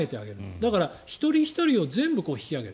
だから、一人ひとりを全部引き上げる。